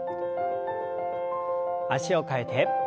脚を替えて。